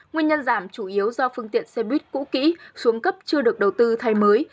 nguyên nhân giảm chủ yếu do phương tiện xe buýt cũ kỹ xuống cấp chưa được đầu tư thay mới